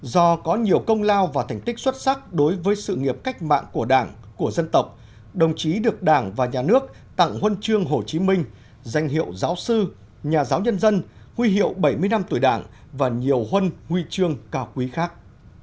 do có nhiều công lao và thành tích xuất sắc đối với sự nghiệp cách mạng của đảng của dân tộc đồng chí được đảng và nhà nước tặng huân chương hồ chí minh danh hiệu giáo sư nhà giáo nhân dân huy hiệu bảy mươi năm tuổi đảng và nhiều huân huy chương cao quý khác